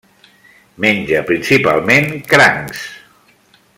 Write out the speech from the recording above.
Menja principalment crancs.